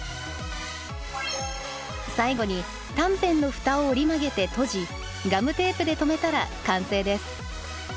最後に短辺のふたを折り曲げて閉じガムテープで留めたら完成です。